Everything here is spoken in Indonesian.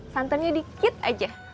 santannya dikit aja